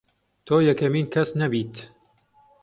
تۆ یەکەمین کەس نەبیت